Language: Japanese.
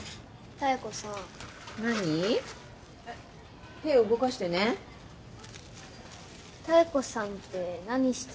妙子さんって何してる人ですか？